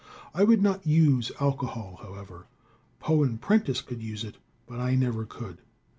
I would not use alcohol, however. Poe and Prentice could use it, but I never could.